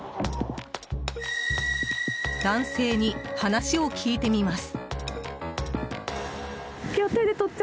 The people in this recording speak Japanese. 男性に話を聞いてみます。